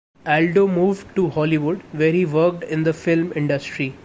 Aldo moved to Hollywood where he worked in the film industry.